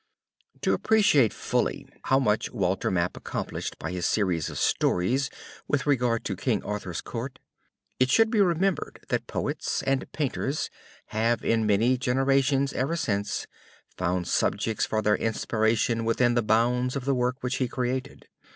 To appreciate fully how much Walter Map accomplished by his series of stories with regard to King Arthur's Court, it should be remembered that poets and painters have in many generations ever since found subjects for their inspiration within the bounds of the work which he created.